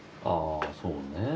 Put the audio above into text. ああそうね。